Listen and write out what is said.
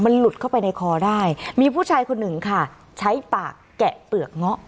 มันหลุดเข้าไปในคอได้มีผู้ชายคนหนึ่งค่ะใช้ปากแกะเปลือกเงาะ